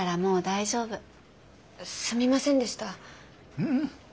ううん。